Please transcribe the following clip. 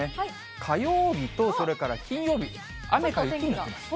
火曜日とそれから金曜日、雨か雪になってます。